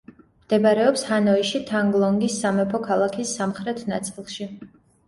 მდებარეობს ჰანოიში თანგ-ლონგის სამეფო ქალაქის სამხრეთ ნაწილში.